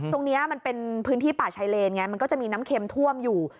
ตรงนี้มันเป็นพื้นที่ป่าชายเลนไงมันก็จะมีน้ำเค็มท่วมอยู่